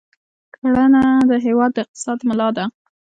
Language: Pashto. کرنه د هېواد د اقتصاد ملا ده.